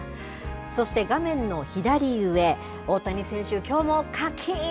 そして画面の左上、大谷選手、きょうもかきーん！